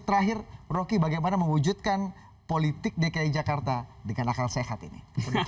terakhir rocky bagaimana mewujudkan politik dki jakarta dengan akal sehat ini